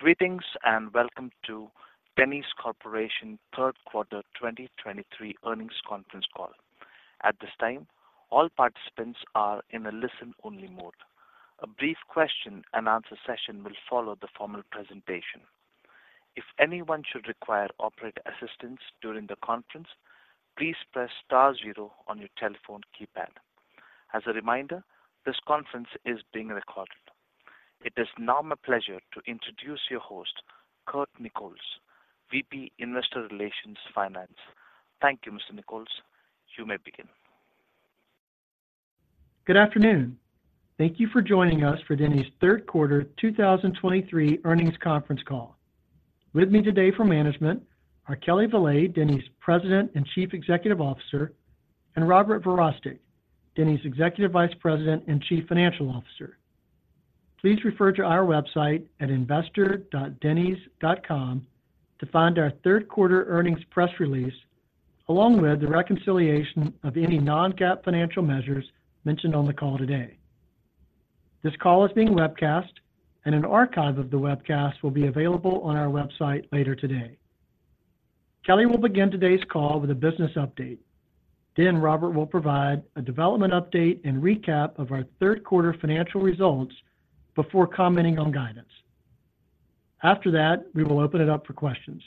Greetings, and welcome to Denny's Corporation Third Quarter 2023 Earnings Conference Call. At this time, all participants are in a listen-only mode. A brief question-and-answer session will follow the formal presentation. If anyone should require operator assistance during the conference, please press star zero on your telephone keypad. As a reminder, this conference is being recorded. It is now my pleasure to introduce your host, Curt Nichols, VP, Investor Relations Finance. Thank you, Mr. Nichols. You may begin. Good afternoon. Thank you for joining us for Denny's third quarter 2023 earnings conference call. With me today for management are Kelli Valade, Denny's President and Chief Executive Officer, and Robert Verostek, Denny's Executive Vice President and Chief Financial Officer. Please refer to our website at investor.dennys.com to find our third quarter earnings press release, along with the reconciliation of any non-GAAP financial measures mentioned on the call today. This call is being webcast, and an archive of the webcast will be available on our website later today. Kelli will begin today's call with a business update. Then Robert will provide a development update and recap of our third quarter financial results before commenting on guidance. After that, we will open it up for questions.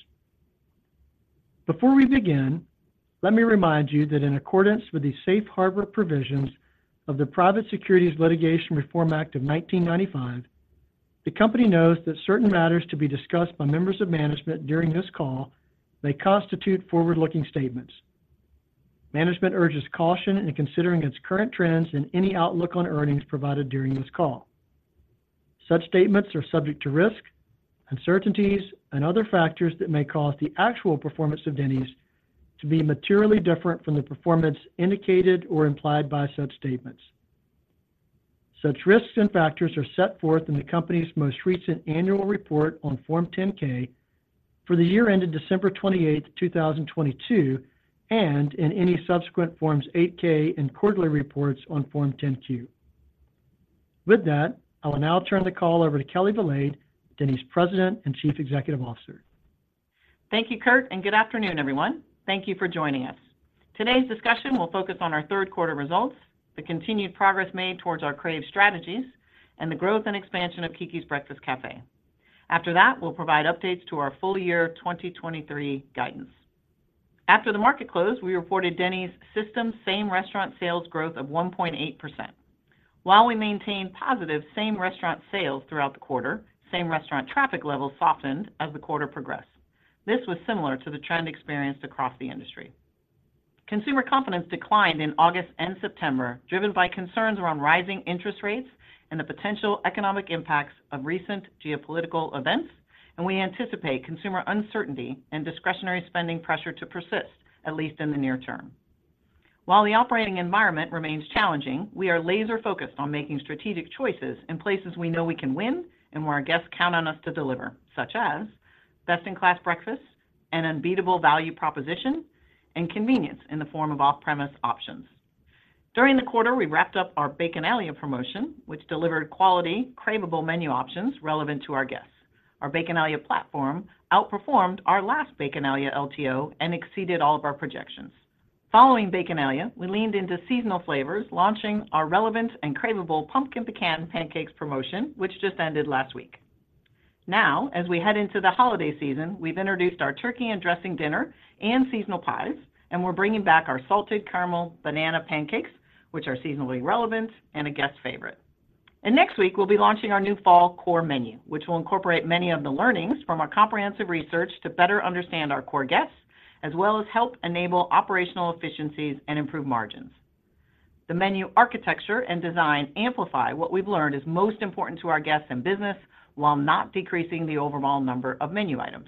Before we begin, let me remind you that in accordance with the safe harbor provisions of the Private Securities Litigation Reform Act of 1995, the Company knows that certain matters to be discussed by members of management during this call may constitute forward-looking statements. Management urges caution in considering its current trends and any outlook on earnings provided during this call. Such statements are subject to risk, uncertainties, and other factors that may cause the actual performance of Denny's to be materially different from the performance indicated or implied by such statements. Such risks and factors are set forth in the Company's most recent annual report on Form 10-K for the year ended December 28, 2022, and in any subsequent Forms 8-K and quarterly reports on Form 10-Q. With that, I will now turn the call over to Kelli Valade, Denny's President and Chief Executive Officer. Thank you, Curt, and good afternoon, everyone. Thank you for joining us. Today's discussion will focus on our third quarter results, the continued progress made towards our CRAVE strategies, and the growth and expansion of Keke's Breakfast Cafe. After that, we'll provide updates to our full year 2023 guidance. After the market closed, we reported Denny's system same-restaurant sales growth of 1.8%. While we maintained positive same-restaurant sales throughout the quarter, same-restaurant traffic levels softened as the quarter progressed. This was similar to the trend experienced across the industry. Consumer confidence declined in August and September, driven by concerns around rising interest rates and the potential economic impacts of recent geopolitical events, and we anticipate consumer uncertainty and discretionary spending pressure to persist, at least in the near term. While the operating environment remains challenging, we are laser focused on making strategic choices in places we know we can win and where our guests count on us to deliver, such as best-in-class breakfast, an unbeatable value proposition, and convenience in the form of off-premise options. During the quarter, we wrapped up our Baconalia promotion, which delivered quality, craveable menu options relevant to our guests. Our Baconalia platform outperformed our last Baconalia LTO and exceeded all of our projections. Following Baconalia, we leaned into seasonal flavors, launching our relevant and craveable Pumpkin Pecan Pancakes promotion, which just ended last week. Now, as we head into the holiday season, we've introduced our Turkey & Dressing Dinner and seasonal pies, and we're bringing back our Salted Caramel Banana Pancakes, which are seasonally relevant and a guest favorite. Next week, we'll be launching our new fall core menu, which will incorporate many of the learnings from our comprehensive research to better understand our core guests, as well as help enable operational efficiencies and improve margins. The menu architecture and design amplify what we've learned is most important to our guests and business, while not decreasing the overall number of menu items.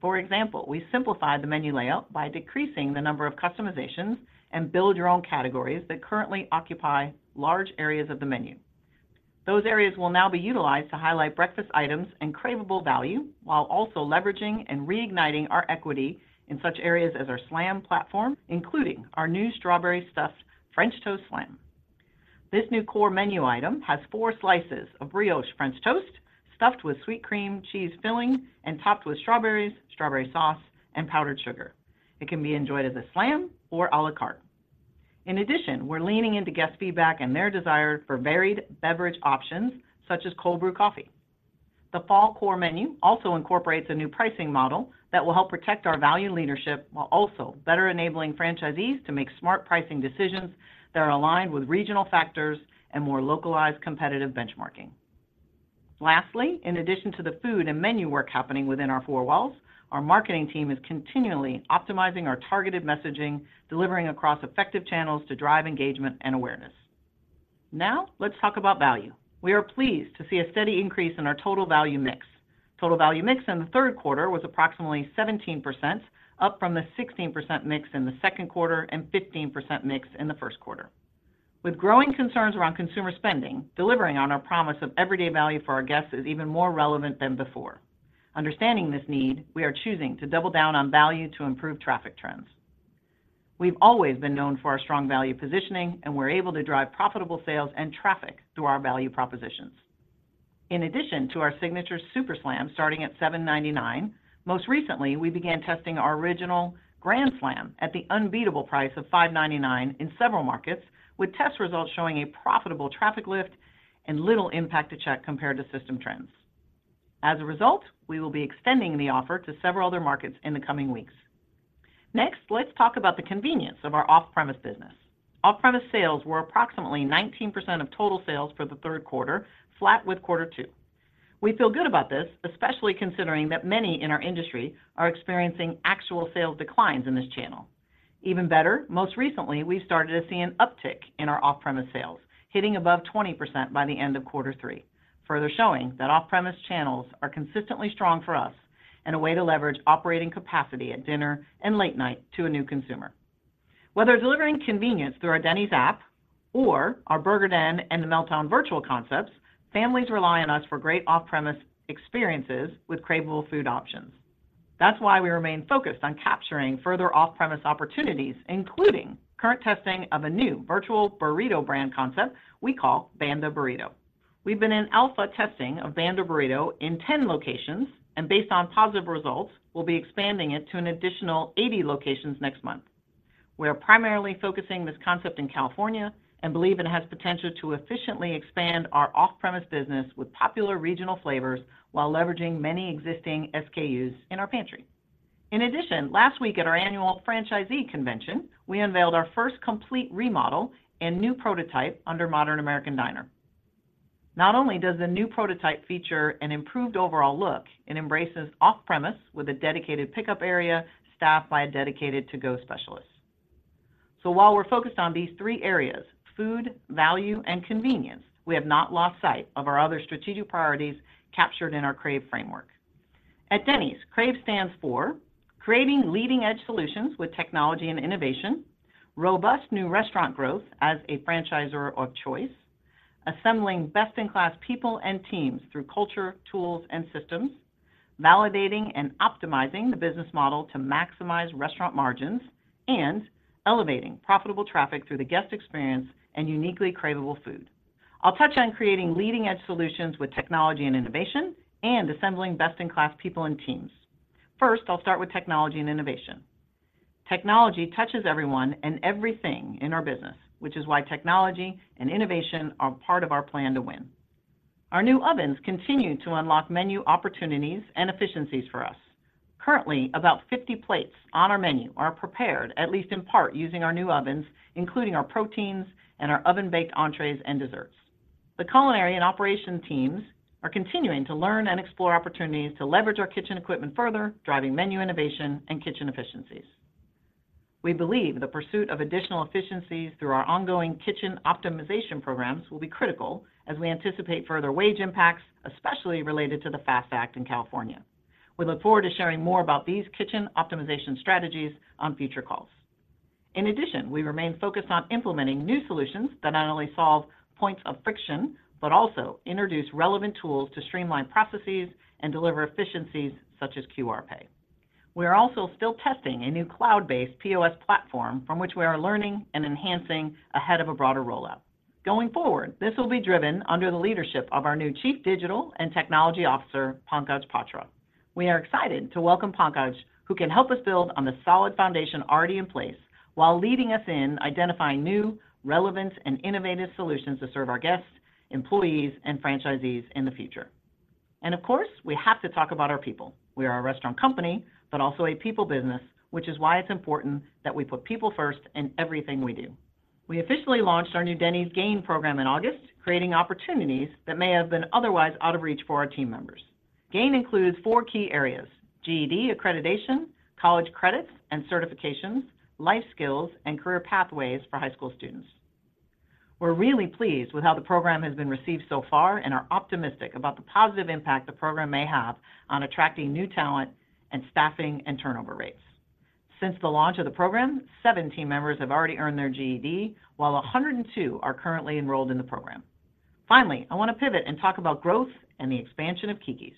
For example, we simplified the menu layout by decreasing the number of customizations and build your own categories that currently occupy large areas of the menu. Those areas will now be utilized to highlight breakfast items and craveable value, while also leveraging and reigniting our equity in such areas as our Slam platform, including our new Strawberry Stuffed French Toast Slam. This new core menu item has four slices of brioche French toast stuffed with sweet cream cheese filling and topped with strawberries, strawberry sauce, and powdered sugar. It can be enjoyed as a slam or à la carte. In addition, we're leaning into guest feedback and their desire for varied beverage options such as cold brew coffee. The fall core menu also incorporates a new pricing model that will help protect our value leadership, while also better enabling franchisees to make smart pricing decisions that are aligned with regional factors and more localized competitive benchmarking. Lastly, in addition to the food and menu work happening within our four walls, our marketing team is continually optimizing our targeted messaging, delivering across effective channels to drive engagement and awareness. Now, let's talk about value. We are pleased to see a steady increase in our total value mix. Total value mix in the third quarter was approximately 17%, up from the 16% mix in the second quarter and 15% mix in the first quarter. With growing concerns around consumer spending, delivering on our promise of everyday value for our guests is even more relevant than before. Understanding this need, we are choosing to double down on value to improve traffic trends.... We've always been known for our strong value positioning, and we're able to drive profitable sales and traffic through our value propositions. In addition to our signature Super Slam, starting at $7.99, most recently, we began testing our Original Grand Slam at the unbeatable price of $5.99 in several markets, with test results showing a profitable traffic lift and little impact to check compared to system trends. As a result, we will be extending the offer to several other markets in the coming weeks. Next, let's talk about the convenience of our off-premise business. Off-premise sales were approximately 19% of total sales for the third quarter, flat with quarter two. We feel good about this, especially considering that many in our industry are experiencing actual sales declines in this channel. Even better, most recently, we started to see an uptick in our off-premise sales, hitting above 20% by the end of quarter three, further showing that off-premise channels are consistently strong for us and a way to leverage operating capacity at dinner and late night to a new consumer. Whether delivering convenience through our Denny's app or our Burger Den and The Meltdown virtual concepts, families rely on us for great off-premise experiences with craveable food options. That's why we remain focused on capturing further off-premise opportunities, including current testing of a new virtual burrito brand concept we call Banda Burritos. We've been in alpha testing of Banda Burritos in 10 locations, and based on positive results, we'll be expanding it to an additional 80 locations next month. We are primarily focusing this concept in California and believe it has potential to efficiently expand our off-premise business with popular regional flavors, while leveraging many existing SKUs in our pantry. In addition, last week at our annual franchisee convention, we unveiled our first complete remodel and new prototype under Modern American Diner. Not only does the new prototype feature an improved overall look, it embraces off-premise with a dedicated pickup area staffed by a dedicated to-go specialist. So while we're focused on these three areas, food, value, and convenience, we have not lost sight of our other strategic priorities captured in our CRAVE framework. At Denny's, CRAVE stands for Creating Leading Edge Solutions with technology and innovation, Robust new restaurant growth as a franchisor of choice, Assembling best-in-class people and teams through culture, tools, and systems, Validating and optimizing the business model to maximize restaurant margins, and Elevating profitable traffic through the guest experience and uniquely craveable food. I'll touch on creating leading edge solutions with technology and innovation and assembling best-in-class people and teams. First, I'll start with technology and innovation. Technology touches everyone and everything in our business, which is why technology and innovation are part of our plan to win. Our new ovens continue to unlock menu opportunities and efficiencies for us. Currently, about 50 plates on our menu are prepared, at least in part, using our new ovens, including our proteins and our oven-baked entrees and desserts. The culinary and operation teams are continuing to learn and explore opportunities to leverage our kitchen equipment further, driving menu innovation and kitchen efficiencies. We believe the pursuit of additional efficiencies through our ongoing kitchen optimization programs will be critical as we anticipate further wage impacts, especially related to the FAST Act in California. We look forward to sharing more about these kitchen optimization strategies on future calls. In addition, we remain focused on implementing new solutions that not only solve points of friction, but also introduce relevant tools to streamline processes and deliver efficiencies, such as QR Pay. We are also still testing a new cloud-based POS platform from which we are learning and enhancing ahead of a broader rollout. Going forward, this will be driven under the leadership of our new Chief Digital and Technology Officer, Pankaj Patra. We are excited to welcome Pankaj, who can help us build on the solid foundation already in place, while leading us in identifying new, relevant, and innovative solutions to serve our guests, employees, and franchisees in the future. Of course, we have to talk about our people. We are a restaurant company, but also a people business, which is why it's important that we put people first in everything we do. We officially launched our new Denny's GAIN program in August, creating opportunities that may have been otherwise out of reach for our team members. Gain includes four key areas: GED accreditation, college credits and certifications, life skills, and career pathways for high school students. We're really pleased with how the program has been received so far and are optimistic about the positive impact the program may have on attracting new talent and staffing and turnover rates. Since the launch of the program, seven team members have already earned their GED, while 102 are currently enrolled in the program. Finally, I want to pivot and talk about growth and the expansion of Keke's.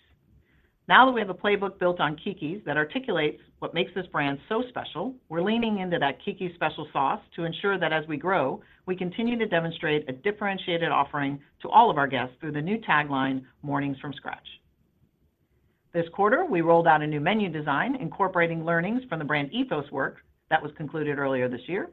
Now that we have a playbook built on Keke's that articulates what makes this brand so special, we're leaning into that Keke's special sauce to ensure that as we grow, we continue to demonstrate a differentiated offering to all of our guests through the new tagline, Mornings from Scratch. This quarter, we rolled out a new menu design incorporating learnings from the brand ethos work that was concluded earlier this year.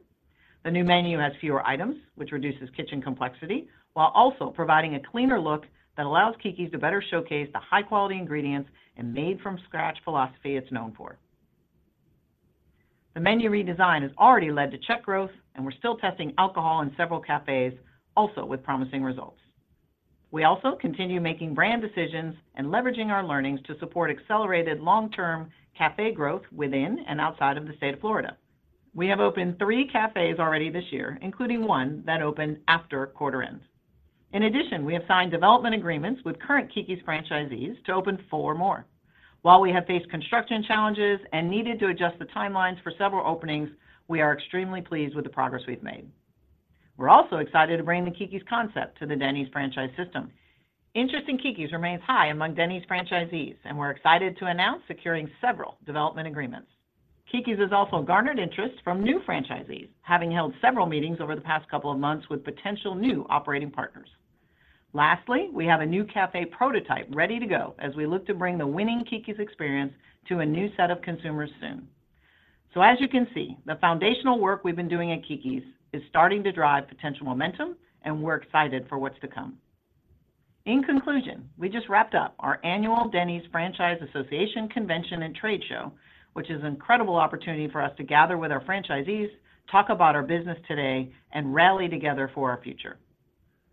The new menu has fewer items, which reduces kitchen complexity, while also providing a cleaner look that allows Keke's to better showcase the high-quality ingredients and made-from-scratch philosophy it's known for. The menu redesign has already led to check growth, and we're still testing alcohol in several cafes, also with promising results. We also continue making brand decisions and leveraging our learnings to support accelerated long-term cafe growth within and outside of the state of Florida. We have opened three cafes already this year, including one that opened after quarter end. In addition, we have signed development agreements with current Keke's franchisees to open four more. While we have faced construction challenges and needed to adjust the timelines for several openings, we are extremely pleased with the progress we've made. We're also excited to bring the Keke's concept to the Denny's franchise system. Interest in Keke's remains high among Denny's franchisees, and we're excited to announce securing several development agreements. Keke's has also garnered interest from new franchisees, having held several meetings over the past couple of months with potential new operating partners. Lastly, we have a new cafe prototype ready to go as we look to bring the winning Keke's experience to a new set of consumers soon. So as you can see, the foundational work we've been doing at Keke's is starting to drive potential momentum, and we're excited for what's to come. In conclusion, we just wrapped up our annual Denny's Franchisee Association Convention and Trade Show, which is an incredible opportunity for us to gather with our franchisees, talk about our business today, and rally together for our future.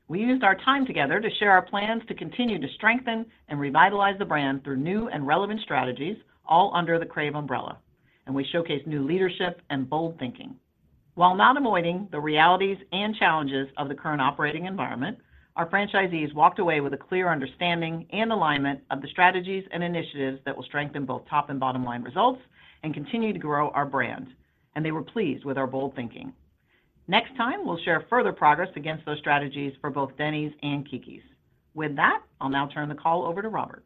We used our time together to share our plans to continue to strengthen and revitalize the brand through new and relevant strategies, all under the CRAVE umbrella, and we showcased new leadership and bold thinking. While not avoiding the realities and challenges of the current operating environment, our franchisees walked away with a clear understanding and alignment of the strategies and initiatives that will strengthen both top and bottom line results and continue to grow our brand, and they were pleased with our bold thinking. Next time, we'll share further progress against those strategies for both Denny's and Keke's. With that, I'll now turn the call over to Robert.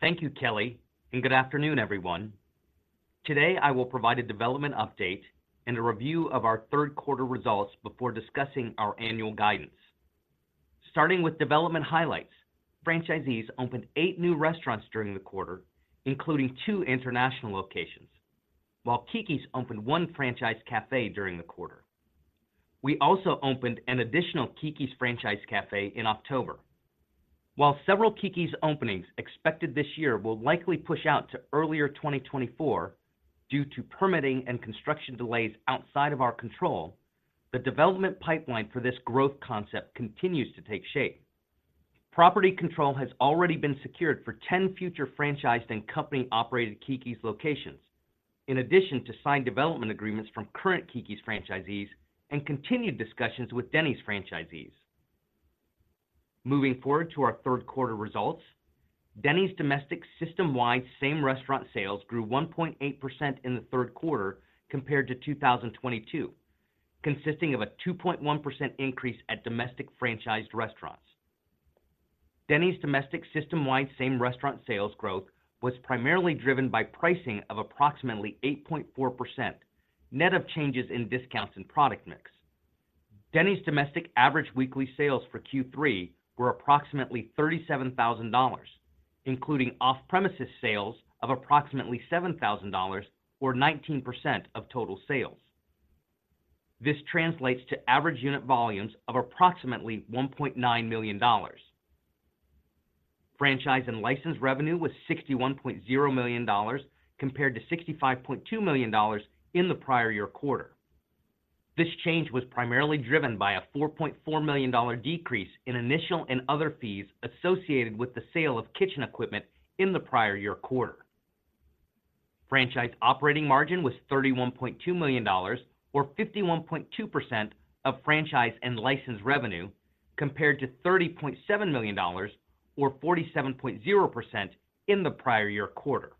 Thank you, Kelli, and good afternoon, everyone. Today, I will provide a development update and a review of our third quarter results before discussing our annual guidance. Starting with development highlights, franchisees opened eight new restaurants during the quarter, including two international locations, while Keke's opened one franchise cafe during the quarter. We also opened an additional Keke's franchise cafe in October. While several Keke's openings expected this year will likely push out to earlier 2024 due to permitting and construction delays outside of our control, the development pipeline for this growth concept continues to take shape. Property control has already been secured for 10 future franchised and company-operated Keke's locations, in addition to signed development agreements from current Keke's franchisees and continued discussions with Denny's franchisees. Moving forward to our third quarter results, Denny's domestic system-wide same restaurant sales grew 1.8% in the third quarter compared to 2022, consisting of a 2.1% increase at domestic franchised restaurants. Denny's domestic system-wide same restaurant sales growth was primarily driven by pricing of approximately 8.4%, net of changes in discounts and product mix. Denny's domestic average weekly sales for Q3 were approximately $37,000, including off-premises sales of approximately $7,000 or 19% of total sales. This translates to average unit volumes of approximately $1.9 million. Franchise and license revenue was $61.0 million, compared to $65.2 million in the prior year quarter. This change was primarily driven by a $4.4 million decrease in initial and other fees associated with the sale of kitchen equipment in the prior year quarter. Franchise operating margin was $31.2 million, or 51.2% of franchise and license revenue, compared to $30.7 million or 47.0% in the prior year quarter.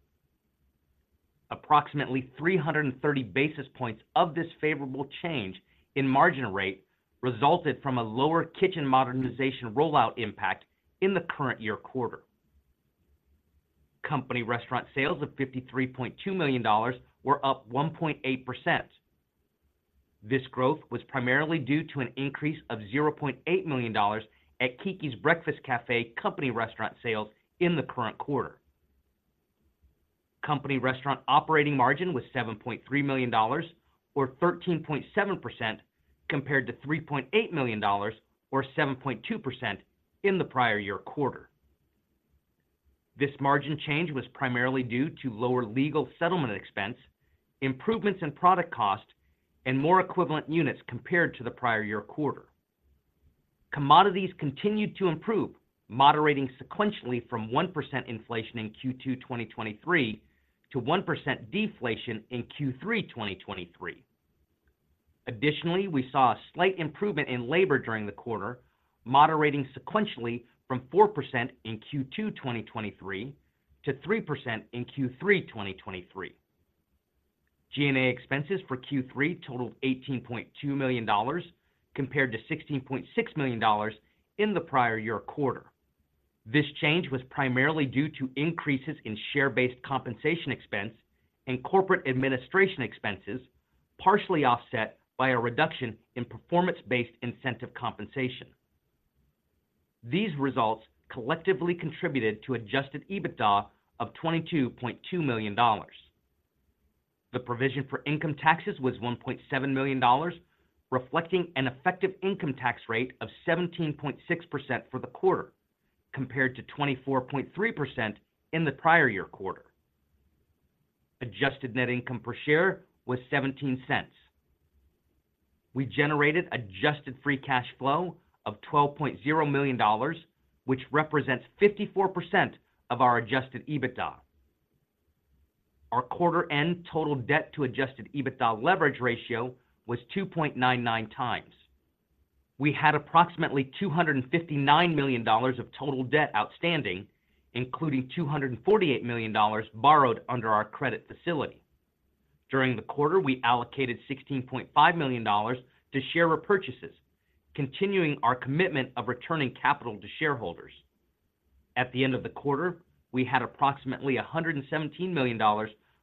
Approximately 330 basis points of this favorable change in margin rate resulted from a lower kitchen modernization rollout impact in the current year quarter. Company restaurant sales of $53.2 million were up 1.8%. This growth was primarily due to an increase of $0.8 million at Keke's Breakfast Cafe company restaurant sales in the current quarter. Company restaurant operating margin was $7.3 million or 13.7%, compared to $3.8 million or 7.2% in the prior year quarter. This margin change was primarily due to lower legal settlement expense, improvements in product cost, and more equivalent units compared to the prior year quarter. Commodities continued to improve, moderating sequentially from 1% inflation in Q2 2023 to 1% deflation in Q3 2023. Additionally, we saw a slight improvement in labor during the quarter, moderating sequentially from 4% in Q2 2023 to 3% in Q3 2023. G&A expenses for Q3 totaled $18.2 million, compared to $16.6 million in the prior year quarter. This change was primarily due to increases in share-based compensation expense and corporate administration expenses, partially offset by a reduction in performance-based incentive compensation. These results collectively contributed to adjusted EBITDA of $22.2 million. The provision for income taxes was $1.7 million, reflecting an effective income tax rate of 17.6% for the quarter, compared to 24.3% in the prior year quarter. Adjusted net income per share was $0.17. We generated adjusted free cash flow of $12.0 million, which represents 54% of our adjusted EBITDA. Our quarter end total debt to adjusted EBITDA leverage ratio was 2.99 times. We had approximately $259 million of total debt outstanding, including $248 million borrowed under our credit facility. During the quarter, we allocated $16.5 million to share repurchases, continuing our commitment of returning capital to shareholders. At the end of the quarter, we had approximately $117 million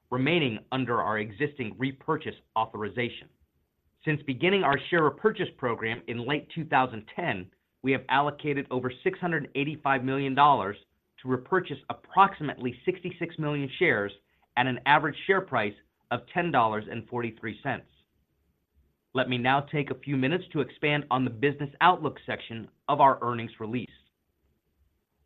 remaining under our existing repurchase authorization. Since beginning our share repurchase program in late 2010, we have allocated over $685 million to repurchase approximately 66 million shares at an average share price of $10.43. Let me now take a few minutes to expand on the business outlook section of our earnings release.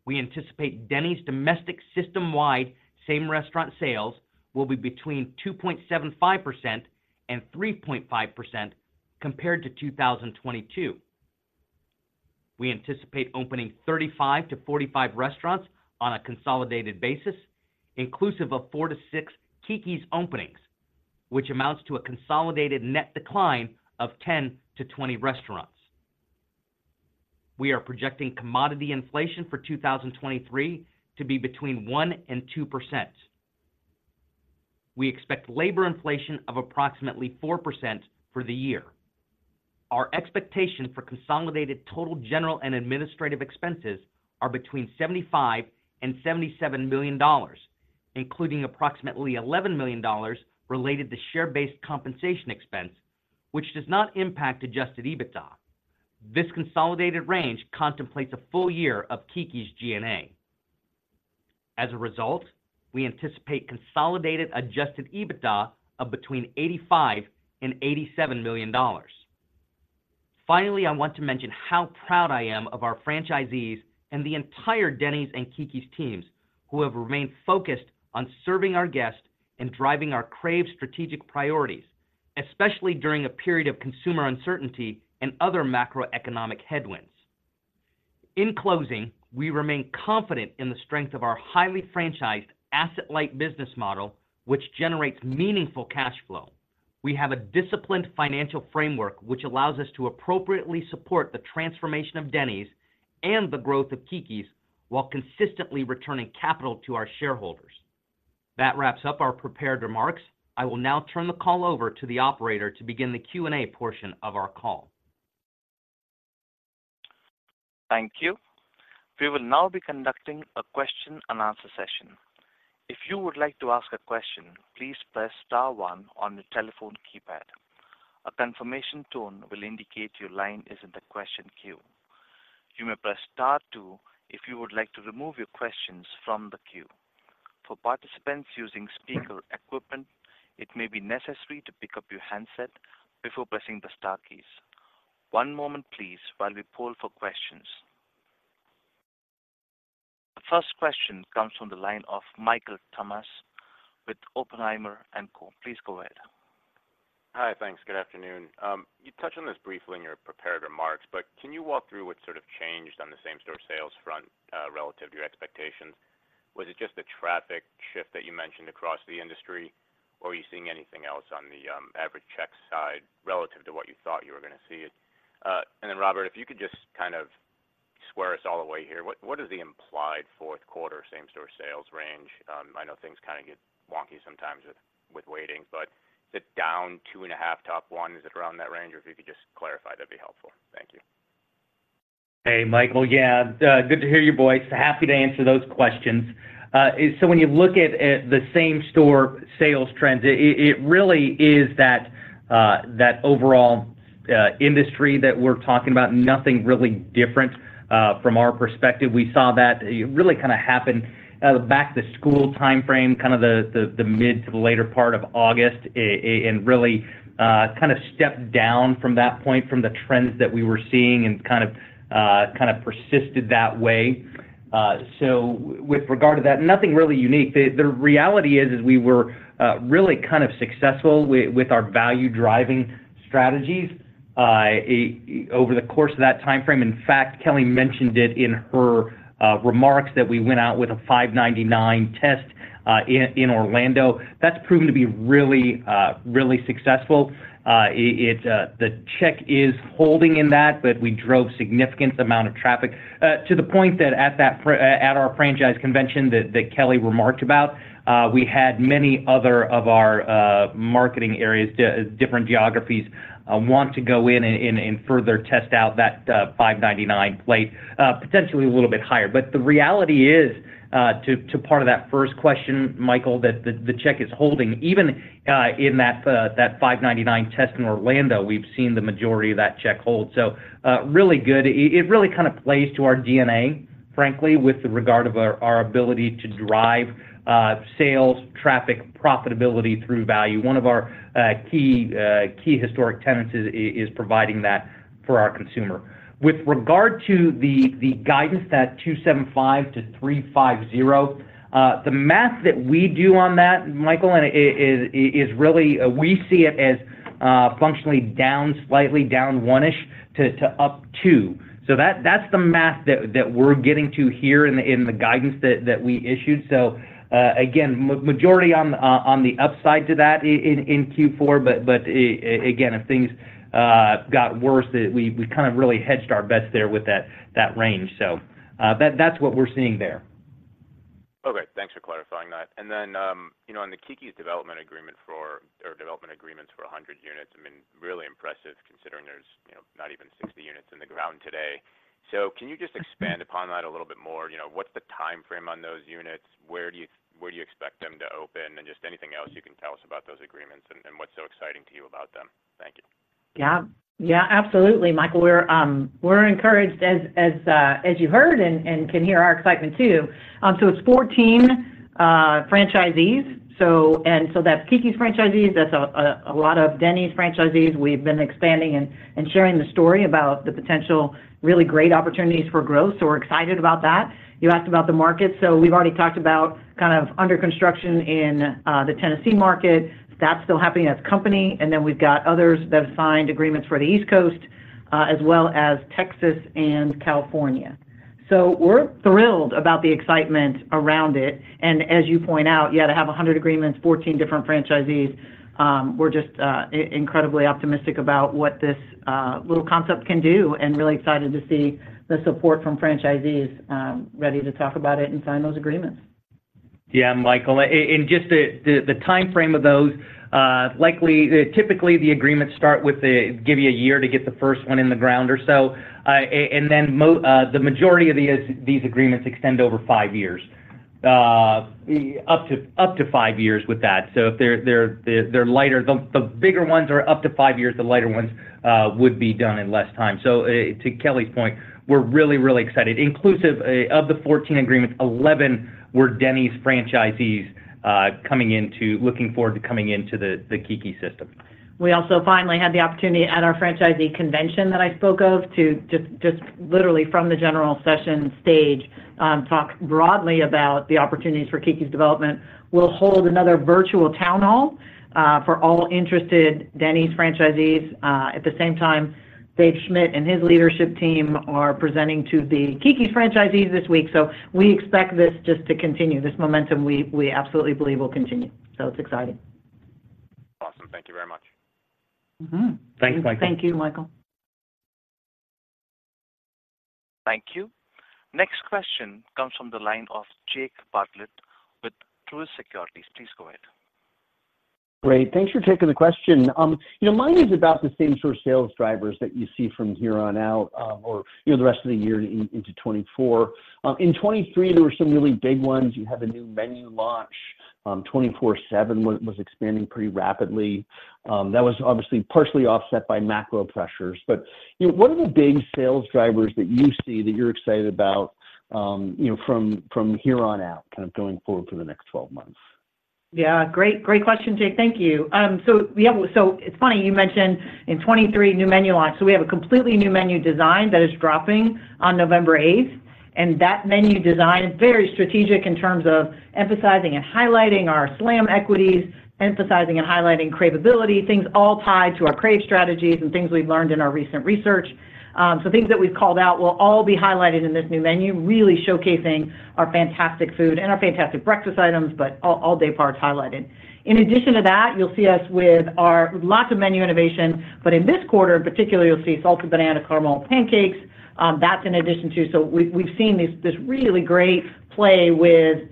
We anticipate Denny's domestic system-wide same restaurant sales will be between 2.75% and 3.5% compared to 2022. We anticipate opening 35-45 restaurants on a consolidated basis, inclusive of four-six Keke's openings, which amounts to a consolidated net decline of 10-20 restaurants. We are projecting commodity inflation for 2023 to be between 1% and 2%. We expect labor inflation of approximately 4% for the year. Our expectation for consolidated total general and administrative expenses are between $75 million and $77 million, including approximately $11 million related to share-based compensation expense, which does not impact adjusted EBITDA. This consolidated range contemplates a full year of Keke's G&A. As a result, we anticipate consolidated adjusted EBITDA of between $85 million and $87 million. Finally, I want to mention how proud I am of our franchisees and the entire Denny's and Keke's teams, who have remained focused on serving our guests and driving our CRAVE strategic priorities, especially during a period of consumer uncertainty and other macroeconomic headwinds. In closing, we remain confident in the strength of our highly franchised asset-light business model, which generates meaningful cash flow. We have a disciplined financial framework, which allows us to appropriately support the transformation of Denny's and the growth of Keke's while consistently returning capital to our shareholders. That wraps up our prepared remarks. I will now turn the call over to the operator to begin the Q&A portion of our call. Thank you. We will now be conducting a question-and-answer session. If you would like to ask a question, please press star one on your telephone keypad. A confirmation tone will indicate your line is in the question queue. You may press star two if you would like to remove your questions from the queue. For participants using speaker equipment, it may be necessary to pick up your handset before pressing the star keys. One moment, please, while we pull for questions. The first question comes from the line of Michael Tamas with Oppenheimer & Co. Please go ahead. Hi, thanks. Good afternoon. You touched on this briefly in your prepared remarks, but can you walk through what sort of changed on the same-store sales front, relative to your expectations? Was it just a traffic shift that you mentioned across the industry, or are you seeing anything else on the, average check side relative to what you thought you were going to see? And then, Robert, if you could just kind of square us all the way here. What, what is the implied fourth quarter same-store sales range? I know things kind of get wonky sometimes with, with waiting, but is it down 2.5 to one, is it around that range? Or if you could just clarify, that'd be helpful. Thank you. Hey, Michael. Yeah, good to hear your voice. Happy to answer those questions. So when you look at the same-store sales trends, it really is that overall industry that we're talking about, nothing really different from our perspective. We saw that it really kind of happened back to school timeframe, kind of the mid to the later part of August, and really kind of stepped down from that point from the trends that we were seeing and kind of persisted that way. So with regard to that, nothing really unique. The reality is we were really kind of successful with our value driving strategies over the course of that timeframe. In fact, Kelli mentioned it in her remarks that we went out with a $5.99 test in Orlando. That's proven to be really, really successful. The check is holding in that, but we drove significant amount of traffic to the point that at our franchise convention that Kelli remarked about, we had many other of our marketing areas, different geographies, want to go in and, and, and further test out that $5.99 plate, potentially a little bit higher. But the reality is, to part of that first question, Michael, that the check is holding. Even in that $5.99 test in Orlando, we've seen the majority of that check hold. So, really good. It really kind of plays to our DNA, frankly, with regard of our ability to drive sales, traffic, profitability through value. One of our key historic tenets is providing that for our consumer. With regard to the guidance, that 275-350, the math that we do on that, Michael, and it is really, we see it as functionally down, slightly down one-ish to up two. So that's the math that we're getting to here in the guidance that we issued. So again, majority on the upside to that in Q4, but again, if things got worse, we kind of really hedged our bets there with that range. So that's what we're seeing there. Okay, thanks for clarifying that. And then, you know, on the Keke's development agreement for, or development agreements for 100 units, I mean, really impressive, considering there's, you know, not even 60 units in the ground today. So can you just expand upon that a little bit more? You know, what's the timeframe on those units? Where do you expect them to open? And just anything else you can tell us about those agreements and what's so exciting to you about them? Thank you. Yeah. Yeah, absolutely, Michael. We're encouraged as you heard and can hear our excitement too. So it's 14 franchisees. So that's Keke's franchisees, that's a lot of Denny's franchisees. We've been expanding and sharing the story about the potential, really great opportunities for growth, so we're excited about that. You asked about the market, so we've already talked about kind of under construction in the Tennessee market. That's still happening, that's company. And then we've got others that have signed agreements for the East Coast as well as Texas and California. So we're thrilled about the excitement around it. As you point out, yeah, to have 100 agreements, 14 different franchisees, we're just incredibly optimistic about what this little concept can do, and really excited to see the support from franchisees, ready to talk about it and sign those agreements. Yeah, Michael, in just the timeframe of those, typically, the agreements start with a give you one year to get the first one in the ground or so. And then the majority of these agreements extend over five years, up to five years with that. So if they're lighter, the bigger ones are up to five years; the lighter ones would be done in less time. So, to Kelli's point, we're really excited. Inclusive of the 14 agreements, 11 were Denny's franchisees looking forward to coming into the Keke's system. We also finally had the opportunity at our franchisee convention that I spoke of, to just literally from the general session stage, talk broadly about the opportunities for Keke's development. We'll hold another virtual town hall for all interested Denny's franchisees. At the same time, Dave Schmidt and his leadership team are presenting to the Keke's franchisees this week. So we expect this just to continue. This momentum, we absolutely believe will continue, so it's exciting. Awesome. Thank you very much. Mm-hmm. Thanks, Michael. Thank you, Michael. Thank you. Next question comes from the line of Jake Bartlett with Truist Securities. Please go ahead. Great. Thanks for taking the question. You know, mine is about the same sort of sales drivers that you see from here on out, or, you know, the rest of the year into 2024. In 2023, there were some really big ones. You had a new menu launch, 24/7 was expanding pretty rapidly. That was obviously partially offset by macro pressures. But, you know, what are the big sales drivers that you see that you're excited about, you know, from here on out, kind of going forward for the next 12 months? Yeah, great. Great question, Jake. Thank you. So it's funny, you mentioned in 2023, new menu launch. So we have a completely new menu design that is dropping on November eighth, and that menu design is very strategic in terms of emphasizing and highlighting our SLAM equities, emphasizing and highlighting craaveability, things all tied to our CRAVE strategies and things we've learned in our recent research. So things that we've called out will all be highlighted in this new menu, really showcasing our fantastic food and our fantastic breakfast items, but all, all day parts highlighted. In addition to that, you'll see us with a lot of menu innovation, but in this quarter, in particular, you'll see salted banana caramel pancakes. That's in addition to. So we've seen this really great play with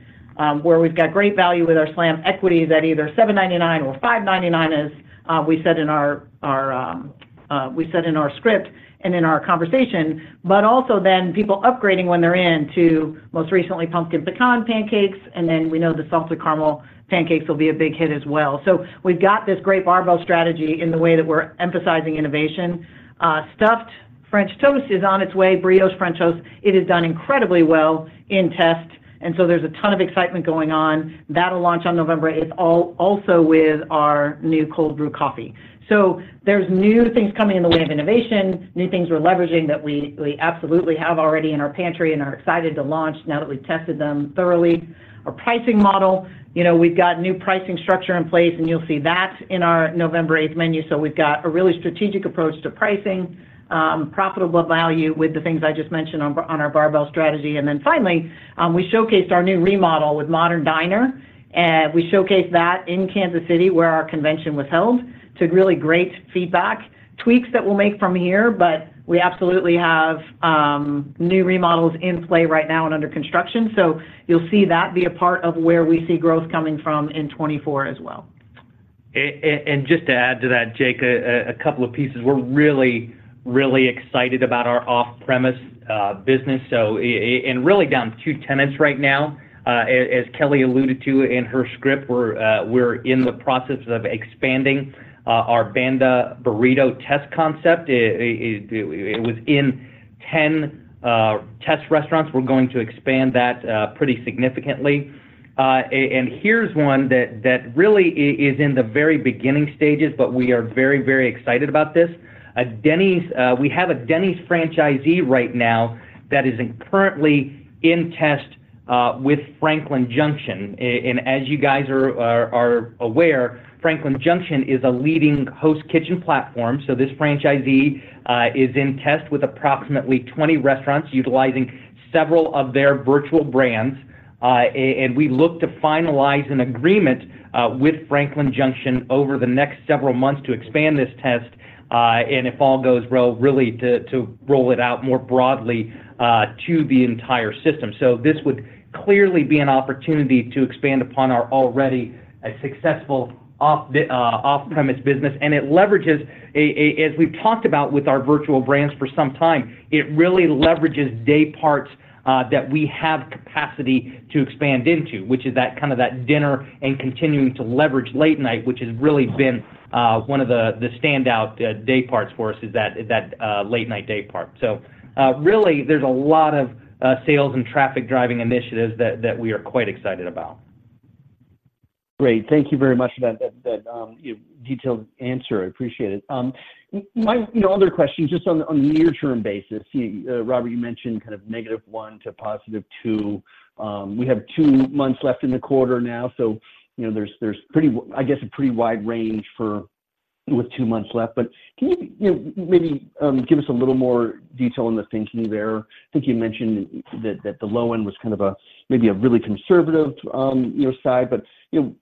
where we've got great value with our SLAM equity that either $7.99 or $5.99, as we said in our script and in our conversation, but also then people upgrading when they're in to most recently pumpkin pecan pancakes, and then we know the salted caramel pancakes will be a big hit as well. So we've got this great barbell strategy in the way that we're emphasizing innovation. Stuffed French toast is on its way, Burritos French toast, it has done incredibly well in test, and so there's a ton of excitement going on. That'll launch on November 8th, also with our new cold brew coffee. So there's new things coming in the way of innovation, new things we're leveraging that we absolutely have already in our pantry and are excited to launch now that we've tested them thoroughly. Our pricing model, you know, we've got new pricing structure in place, and you'll see that in our November 8th menu. So we've got a really strategic approach to pricing, profitable value with the things I just mentioned on our barbell strategy. And then finally, we showcased our new remodel with Modern Diner, and we showcased that in Kansas City, where our convention was held. Took really great feedback, tweaks that we'll make from here, but we absolutely have new remodels in play right now and under construction. So you'll see that be a part of where we see growth coming from in 2024 as well. And just to add to that, Jake, a couple of pieces. We're really, really excited about our off-premise business, so and really down to two tenants right now. As Kelli alluded to in her script, we're in the process of expanding our Band of Burritos test concept. It was in 10 test restaurants. We're going to expand that pretty significantly. And here's one that really is in the very beginning stages, but we are very, very excited about this. And Denny's, we have a Denny's franchisee right now that is currently in test with Franklin Junction. And as you guys are aware, Franklin Junction is a leading host kitchen platform. So this franchisee is in test with approximately 20 restaurants, utilizing several of their virtual brands. And we look to finalize an agreement with Franklin Junction over the next several months to expand this test. And if all goes well, really, to roll it out more broadly to the entire system. So this would clearly be an opportunity to expand upon our already a successful off the off-premise business, and it leverages a as we've talked about with our virtual brands for some time, it really leverages day parts that we have capacity to expand into, which is that kind of that dinner and continuing to leverage late night, which has really been one of the standout day parts for us, is that late-night day part. Really, there's a lot of sales and traffic-driving initiatives that we are quite excited about. Great. Thank you very much for that detailed answer. I appreciate it. My, you know, other question, just on the near-term basis, Robert, you mentioned kind of -1 to +2. We have two months left in the quarter now, so, you know, there's pretty, I guess, a pretty wide range for, with two months left. But can you, you know, maybe give us a little more detail on the thinking there? I think you mentioned that the low end was kind of a, maybe a really conservative side, but, you know,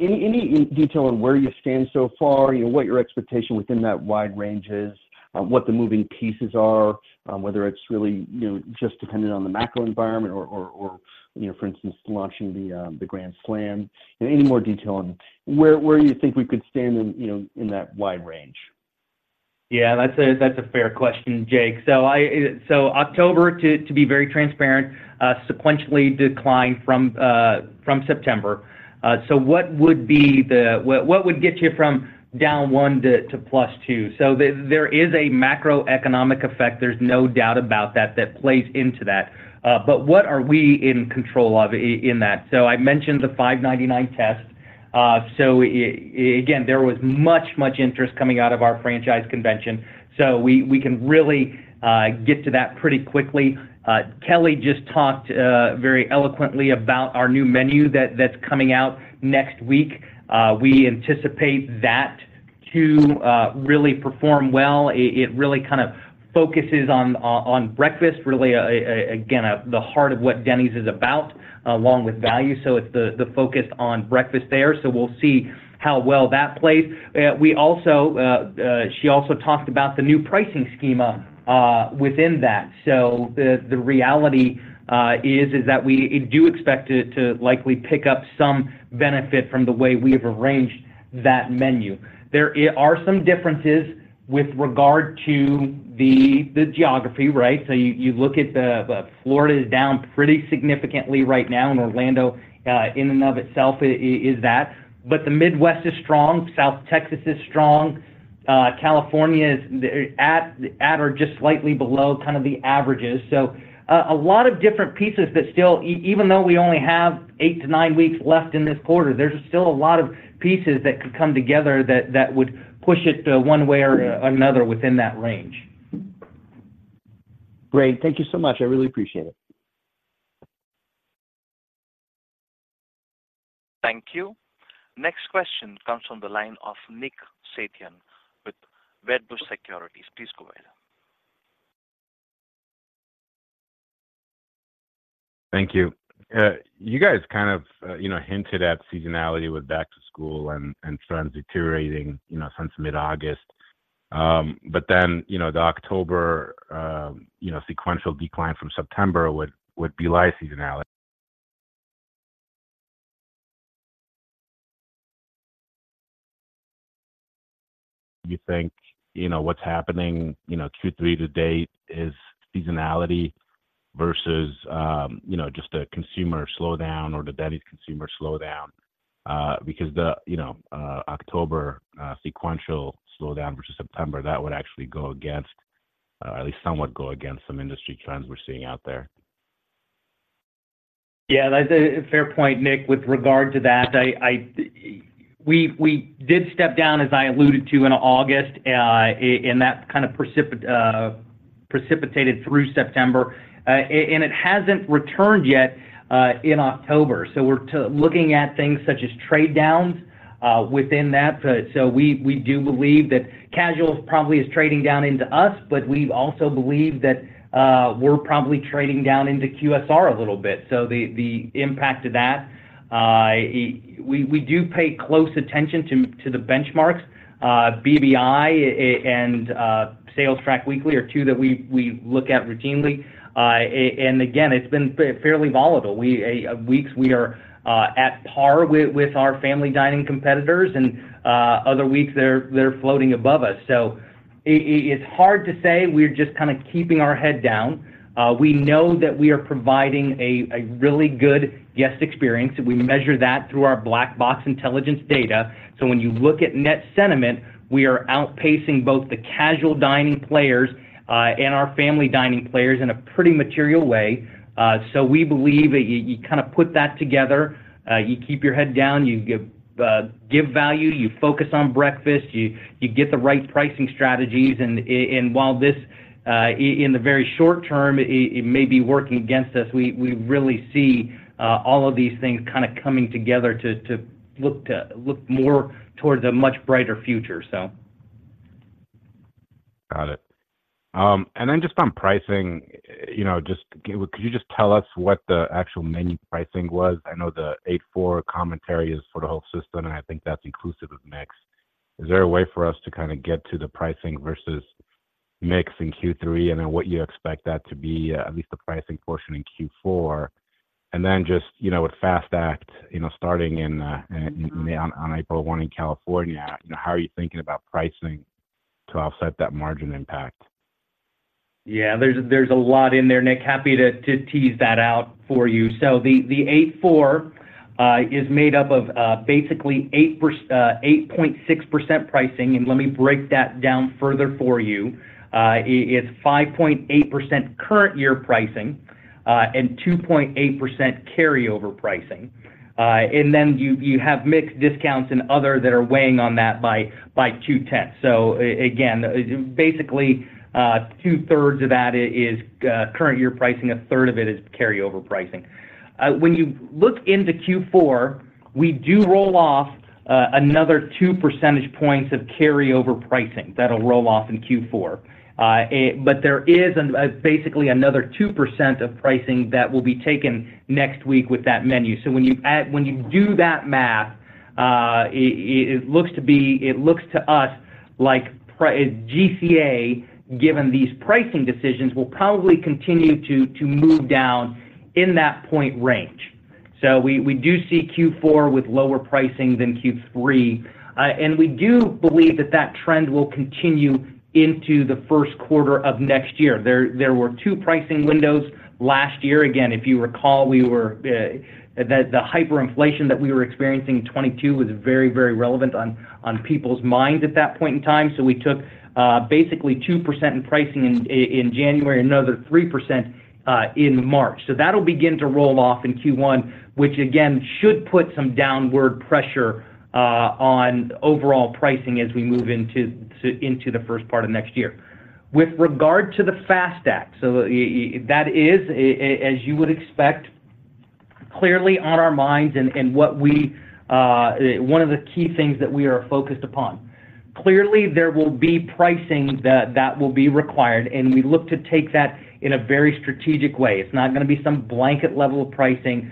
any detail on where you stand so far? You know, what your expectation within that wide range is, what the moving pieces are, whether it's really, you know, just dependent on the macro environment or, you know, for instance, launching the Grand Slam. Any more detail on where you think we could stand in, you know, in that wide range? Yeah, that's a, that's a fair question, Jake. So I, so October, to, to be very transparent, sequentially declined from, from September. So what would be the what, what would get you from -1% to +2%? So there, there is a macroeconomic effect, there's no doubt about that, that plays into that. But what are we in control of in that? So I mentioned the $5.99 test. So again, there was much, much interest coming out of our franchise convention, so we, we can really, get to that pretty quickly. Kelli just talked, very eloquently about our new menu that's coming out next week. We anticipate that to really perform well. It really kind of focuses on breakfast, really, again, the heart of what Denny's is about, along with value. So it's the focus on breakfast there, so we'll see how well that plays. She also talked about the new pricing schema within that. So the reality is that we do expect it to likely pick up some benefit from the way we have arranged that menu. There are some differences with regard to the geography, right? So you look at the Florida is down pretty significantly right now, and Orlando in and of itself is that. But the Midwest is strong, South Texas is strong, California is at or just slightly below, kind of the averages. So, a lot of different pieces that still, even though we only have eight-nine weeks left in this quarter, there's still a lot of pieces that could come together, that would push it, one way or another within that range. Great. Thank you so much. I really appreciate it. Thank you. Next question comes from the line of Nick Setyan with Wedbush Securities. Please go ahead. Thank you. You guys kind of, you know, hinted at seasonality with back to school and trends deteriorating, you know, since mid-August. But then, you know, the October, you know, sequential decline from September would belie seasonality. You think, you know, what's happening, you know, Q3 to date is seasonality versus, you know, just a consumer slowdown or the Denny's consumer slowdown? Because the, you know, October, sequential slowdown versus September, that would actually go against, at least somewhat go against some industry trends we're seeing out there. Yeah, that's a fair point, Nick. With regard to that, we did step down, as I alluded to, in August, and that kind of precipitated through September, and it hasn't returned yet, in October. So we're looking at things such as trade downs, within that. But so we do believe that casual probably is trading down into us, but we've also believed that, we're probably trading down into QSR a little bit. So the impact of that, we do pay close attention to the benchmarks, BBI, and SalesTrack Weekly are two that we look at routinely. And again, it's been fairly volatile. Some weeks we are at par with our family dining competitors, and other weeks, they're floating above us. So it's hard to say, we're just kind of keeping our head down. We know that we are providing a really good guest experience, and we measure that through our Black Box Intelligence data. So when you look at Net Sentiment, we are outpacing both the casual dining players and our family dining players in a pretty material way. So we believe that you kind of put that together, you keep your head down, you give value, you focus on breakfast, you get the right pricing strategies. And while this, in the very short term, it may be working against us, we really see all of these things kind of coming together to look more towards a much brighter future, so. Got it. And then just on pricing, you know, just, could you just tell us what the actual menu pricing was? I know the 8.4 commentary is for the whole system, and I think that's inclusive of mix. Is there a way for us to kinda get to the pricing versus mix in Q3, and then what you expect that to be, at least the pricing portion in Q4? And then just, you know, with FAST Act, you know, starting in on April 1 in California, how are you thinking about pricing to offset that margin impact? Yeah, there's a lot in there, Nick. Happy to tease that out for you. So the 8.4 is made up of basically 8.6% pricing, and let me break that down further for you. It's 5.8% current year pricing and 2.8% carryover pricing. And then you have mix discounts and other that are weighing on that by two tenths. So again, basically, two-thirds of that is current year pricing, a third of it is carryover pricing. When you look into Q4, we do roll off another two percentage points of carryover pricing. That'll roll off in Q4. But there is basically another 2% of pricing that will be taken next week with that menu. So when you do that math, it looks to us like GCA, given these pricing decisions, will probably continue to move down in that point range. So we do see Q4 with lower pricing than Q3, and we do believe that that trend will continue into the first quarter of next year. There were two pricing windows last year. Again, if you recall, the hyperinflation that we were experiencing in 2022 was very relevant on people's minds at that point in time. So we took basically 2% in pricing in January, another 3% in March. So that'll begin to roll off in Q1, which again, should put some downward pressure on overall pricing as we move into the first part of next year. With regard to the FAST Act, so, that is as you would expect, clearly on our minds and what we, one of the key things that we are focused upon. Clearly, there will be pricing that will be required, and we look to take that in a very strategic way. It's not gonna be some blanket level of pricing,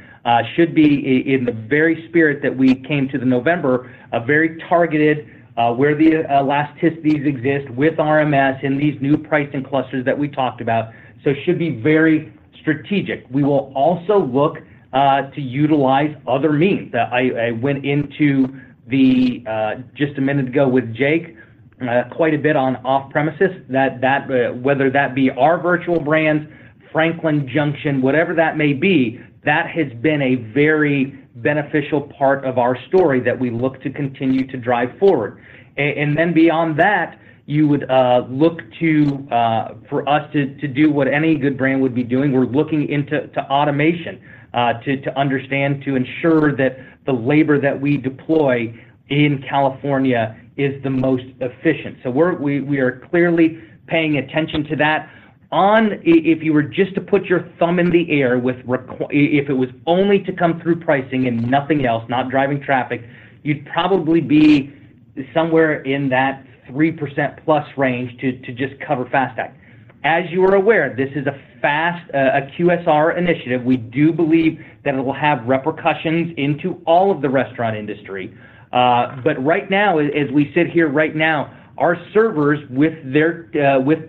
should be in the very spirit that we came to the November, a very targeted, where the elasticities exist with RMS and these new pricing clusters that we talked about. So should be very strategic. We will also look to utilize other means. I went into the just a minute ago with Jake quite a bit on off-premises, whether that be our virtual brands, Franklin Junction, whatever that may be, that has been a very beneficial part of our story that we look to continue to drive forward. And then beyond that, you would look to for us to do what any good brand would be doing. We're looking into automation to understand, to ensure that the labor that we deploy in California is the most efficient. So we are clearly paying attention to that. If you were just to put your thumb in the air if it was only to come through pricing and nothing else, not driving traffic, you'd probably be somewhere in that 3%+ range to just cover FAST Act. As you are aware, this is a fast QSR initiative. We do believe that it will have repercussions into all of the restaurant industry. But right now, as we sit here right now, our servers with their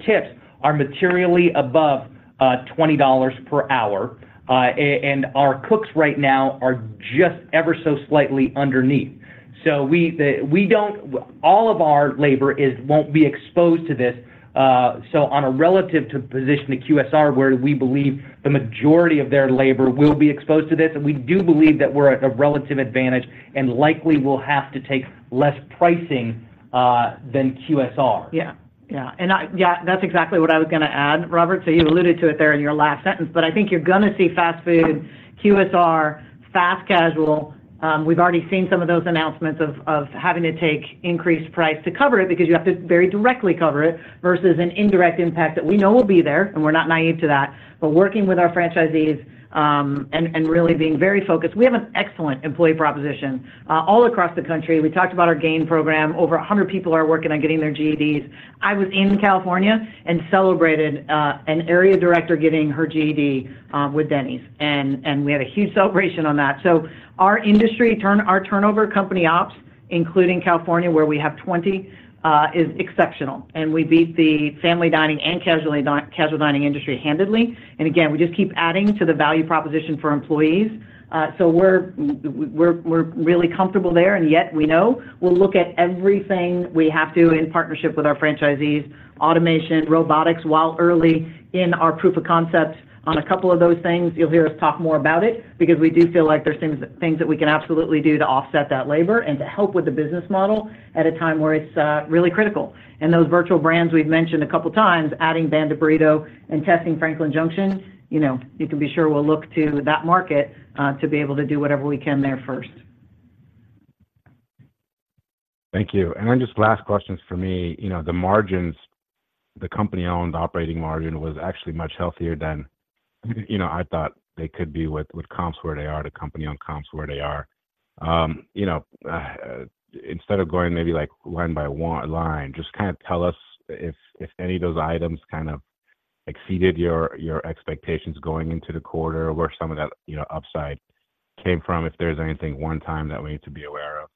tips are materially above $20 per hour, and our cooks right now are just ever so slightly underneath. So all of our labor won't be exposed to this. So in a relative position to QSR, where we believe the majority of their labor will be exposed to this, and we do believe that we're at a relative advantage and likely will have to take less pricing than QSR. Yeah. Yeah, and yeah, that's exactly what I was gonna add, Robert. So you alluded to it there in your last sentence, but I think you're gonna see fast food, QSR, fast casual. We've already seen some of those announcements of having to take increased price to cover it, because you have to very directly cover it versus an indirect impact that we know will be there, and we're not naive to that. But working with our franchisees, and really being very focused. We have an excellent employee proposition all across the country. We talked about our GAIN program. Over 100 people are working on getting their GEDs. I was in California and celebrated an area director getting her GED with Denny's, and we had a huge celebration on that. So our industry turnover, company ops, including California, where we have 20, is exceptional, and we beat the family dining and casual dining industry handily. And again, we just keep adding to the value proposition for employees. So we're really comfortable there, and yet we know we'll look at everything we have to in partnership with our franchisees, automation, robotics, while early in our proof of concept on a couple of those things. You'll hear us talk more about it because we do feel like there's things, things that we can absolutely do to offset that labor and to help with the business model at a time where it's really critical. And those virtual brands we've mentioned a couple times, adding Banda Burritos and testing Franklin Junction, you know, you can be sure we'll look to that market to be able to do whatever we can there first. Thank you. Just last questions for me, you know, the margins, the company-owned operating margin was actually much healthier than, you know, I thought they could be with, with comps where they are, the company on comps where they are... you know, instead of going maybe like line by one line, just kind of tell us if, if any of those items kind of exceeded your, your expectations going into the quarter, where some of that, you know, upside came from, if there's anything one time that we need to be aware of.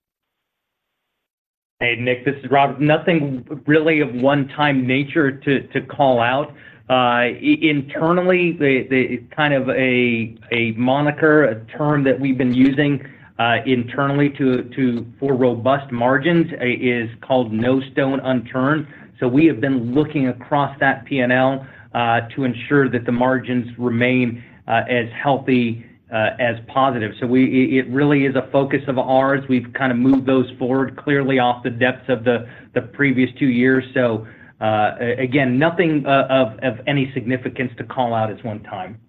Hey, Nick, this is Robert. Nothing really of one-time nature to call out. Internally, the kind of a moniker, a term that we've been using internally to for robust margins is called no stone unturned. So we have been looking across that PNL to ensure that the margins remain as healthy as positive. So it really is a focus of ours. We've kind of moved those forward clearly off the depths of the previous two years. So again, nothing of any significance to call out as one time.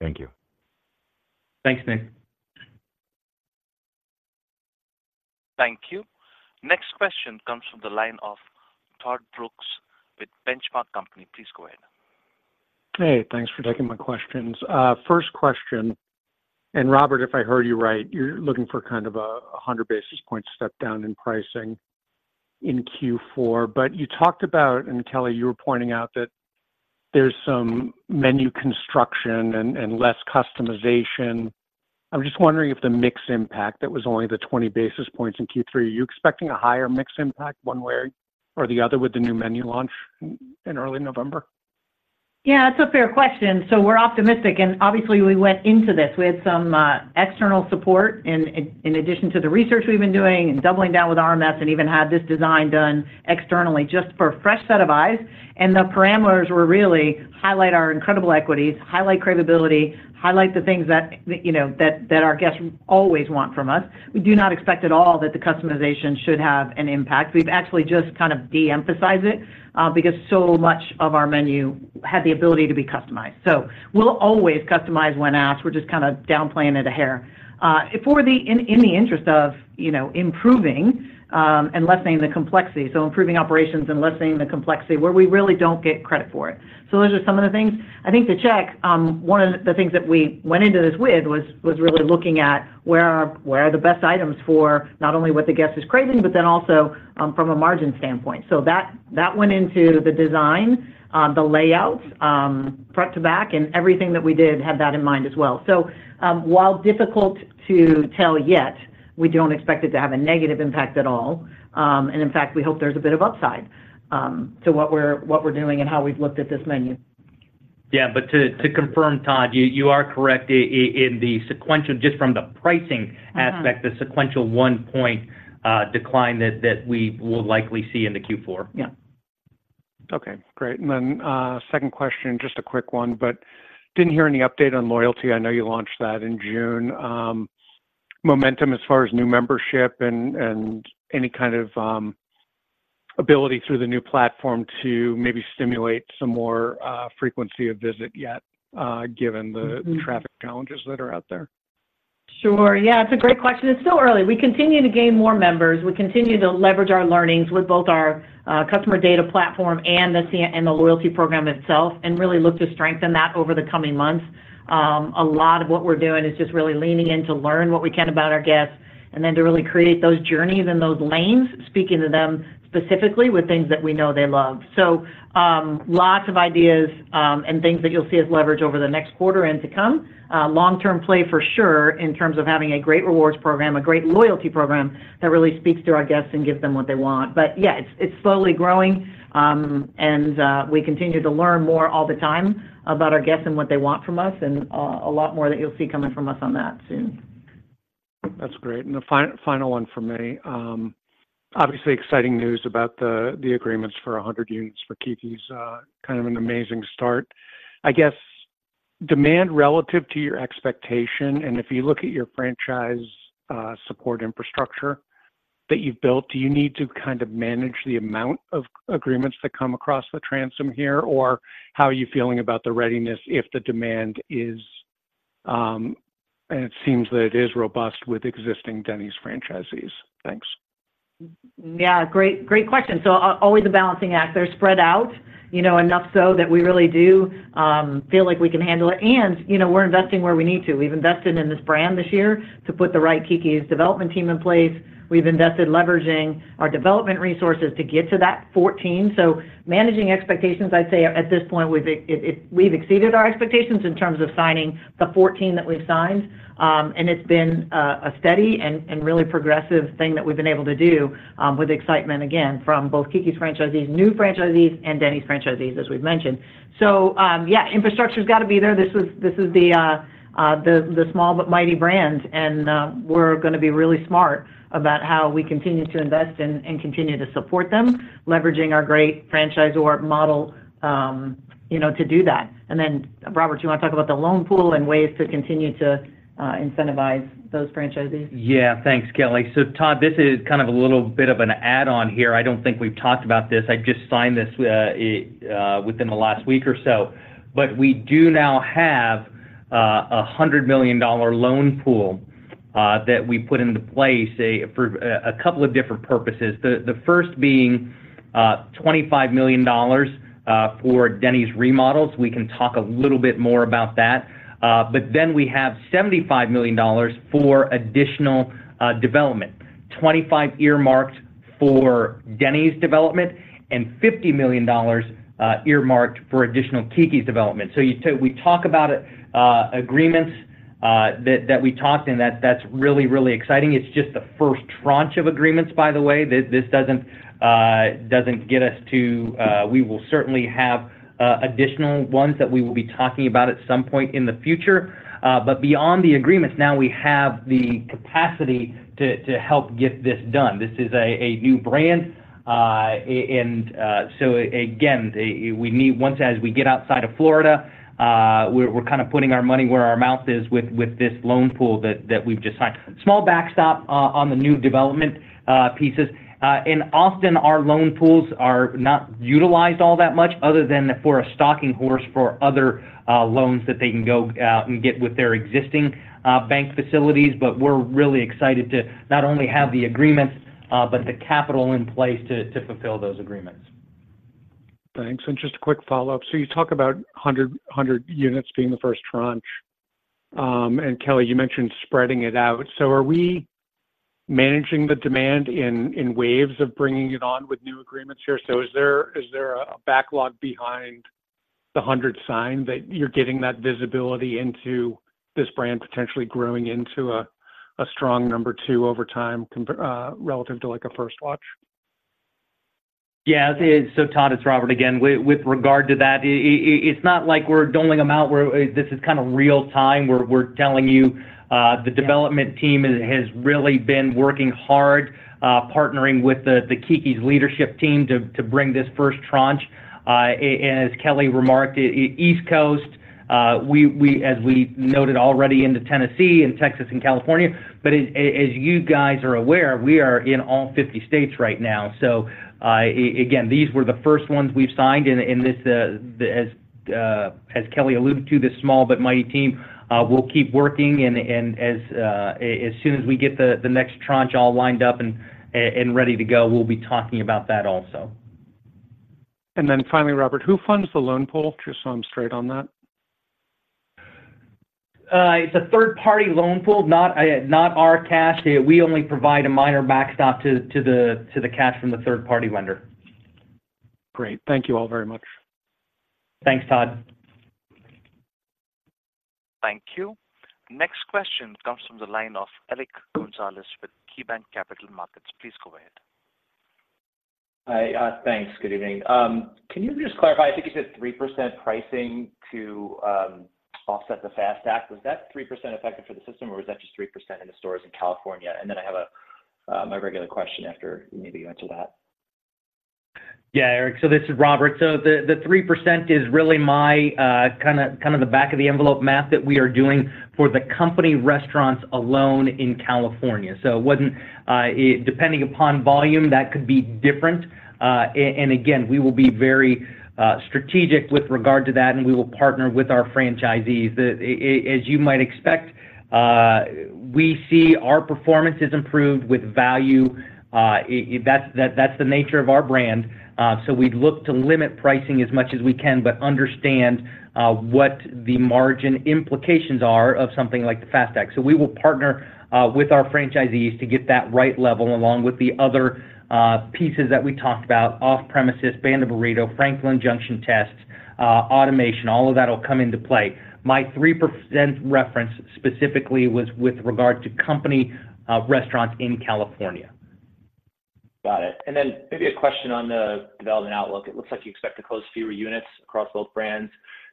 Thank you. Thanks, Nick. Thank you. Next question comes from the line of Todd Brooks with The Benchmark Company. Please go ahead. Hey, thanks for taking my questions. First question, and Robert, if I heard you right, you're looking for kind of a 100 basis points step down in pricing in Q4. But you talked about, and Kelli, you were pointing out that there's some menu construction and less customization. I'm just wondering if the mix impact that was only the 20 basis points in Q3, are you expecting a higher mix impact one way or the other with the new menu launch in early November? Yeah, it's a fair question. So we're optimistic, and obviously, we went into this. We had some external support in addition to the research we've been doing and doubling down with RMS, and even had this design done externally just for a fresh set of eyes. The parameters were really highlight our incredible equities, highlight craveability, highlight the things that, you know, that our guests always want from us. We do not expect at all that the customization should have an impact. We've actually just kind of de-emphasized it because so much of our menu had the ability to be customized. So we'll always customize when asked. We're just kind of downplaying it a hair for the in the interest of, you know, improving and lessening the complexity, so improving operations and lessening the complexity where we really don't get credit for it. So those are some of the things. I think to check one of the things that we went into this with was really looking at where are the best items for not only what the guest is craving, but then also from a margin standpoint. So that went into the design the layouts front to back, and everything that we did had that in mind as well. So while difficult to tell yet, we don't expect it to have a negative impact at all. And in fact, we hope there's a bit of upside to what we're doing and how we've looked at this menu. Yeah, but to confirm, Todd, you are correct in the sequential, just from the pricing aspect. Mm-hmm. The sequential one-point decline that we will likely see in the Q4. Yeah. Okay, great. And then, second question, just a quick one, but didn't hear any update on loyalty. I know you launched that in June. Momentum as far as new membership and, and any kind of, ability through the new platform to maybe stimulate some more, frequency of visit yet, given the. Mm-hmm. Traffic challenges that are out there? Sure. Yeah, it's a great question. It's still early. We continue to gain more members. We continue to leverage our learnings with both our customer data platform and the CDP and the loyalty program itself, and really look to strengthen that over the coming months. A lot of what we're doing is just really leaning in to learn what we can about our guests and then to really create those journeys and those lanes, speaking to them specifically with things that we know they love. So, lots of ideas, and things that you'll see us leverage over the next quarter and to come. Long-term play for sure, in terms of having a great rewards program, a great loyalty program that really speaks to our guests and gives them what they want. But yeah, it's, it's slowly growing, and we continue to learn more all the time about our guests and what they want from us, and a lot more that you'll see coming from us on that soon. That's great. And the final one for me, obviously exciting news about the agreements for 100 units for Keke's, kind of an amazing start. I guess, demand relative to your expectation, and if you look at your franchise support infrastructure that you've built, do you need to kind of manage the amount of agreements that come across the transom here? Or how are you feeling about the readiness if the demand is... And it seems that it is robust with existing Denny's franchisees. Thanks. Yeah, great, great question. So always a balancing act. They're spread out, you know, enough so that we really do feel like we can handle it, and, you know, we're investing where we need to. We've invested in this brand this year to put the right Keke's development team in place. We've invested leveraging our development resources to get to that 14. So managing expectations, I'd say at this point, we've exceeded our expectations in terms of signing the 14 that we've signed. And it's been a steady and really progressive thing that we've been able to do with excitement, again, from both Keke's franchisees, new franchisees, and Denny's franchisees, as we've mentioned. So, yeah, infrastructure's got to be there. This is the small but mighty brand, and we're gonna be really smart about how we continue to invest and continue to support them, leveraging our great franchisor model, you know, to do that. And then, Robert, do you want to talk about the loan pool and ways to continue to incentivize those franchisees? Yeah. Thanks, Kelli. So Todd, this is kind of a little bit of an add-on here. I don't think we've talked about this. I just signed this within the last week or so. But we do now have a $100 million loan pool that we put into place for a couple of different purposes. The first being $25 million for Denny's remodels. We can talk a little bit more about that. But then we have $75 million for additional development: $25 earmarked for Denny's development, and $50 million earmarked for additional Keke's development. So you-- so we talk about agreements that we talked, and that's really, really exciting. It's just the first tranche of agreements, by the way. This doesn't get us to, we will certainly have additional ones that we will be talking about at some point in the future. But beyond the agreements, now we have the capacity to help get this done. This is a new brand, and so again, we need ones as we get outside of Florida, we're kind of putting our money where our mouth is with this loan pool that we've just signed. Small backstop on the new development pieces. In Austin, our loan pools are not utilized all that much other than for a stalking horse for other loans that they can go out and get with their existing bank facilities. But we're really excited to not only have the agreements, but the capital in place to fulfill those agreements. Thanks. Just a quick follow-up. So you talk about 100, 100 units being the first tranche, and Kelli, you mentioned spreading it out. So are we managing the demand in waves of bringing it on with new agreements here? So is there a backlog behind the 100 that you're getting that visibility into this brand potentially growing into a strong number two over time comparable relative to, like, a First Watch? Yeah, Todd, it's Robert again. With regard to that, it's not like we're doling them out, this is kind of real-time, we're telling you, the development team has really been working hard, partnering with the Keke's leadership team to bring this first tranche. As Kelli remarked, East Coast, we, as we noted already, into Tennessee and Texas and California, but as you guys are aware, we are in all 50 states right now. Again, these were the first ones we've signed, and, as Kelli alluded to, this small but mighty team will keep working, and as soon as we get the next tranche all lined up and ready to go, we'll be talking about that also. And then finally, Robert, who funds the loan pool? Just so I'm straight on that. It's a third-party loan pool, not our cash. We only provide a minor backstop to the cash from the third-party lender. Great. Thank you all very much. Thanks, Todd. Thank you. Next question comes from the line of Eric Gonzalez with KeyBanc Capital Markets. Please go ahead. Hi, thanks. Good evening. Can you just clarify? I think you said 3% pricing to offset the FAST Act. Was that 3% effective for the system, or was that just 3% in the stores in California? And then I have a regular question after you maybe answer that. Yeah, Eric, so this is Robert. So the 3% is really my kind of the back-of-the-envelope math that we are doing for the company restaurants alone in California. So it wasn't depending upon volume, that could be different. And again, we will be very strategic with regard to that, and we will partner with our franchisees. As you might expect, we see our performance is improved with value, that's the nature of our brand, so we'd look to limit pricing as much as we can, but understand what the margin implications are of something like the FAST Act. So we will partner with our franchisees to get that right level, along with the other pieces that we talked about, off-premises, Band of Burrito, Franklin Junction tests, automation, all of that will come into play. My 3% reference specifically was with regard to company restaurants in California. Got it. And then maybe a question on the development outlook. It looks like you expect to close fewer units across both brands,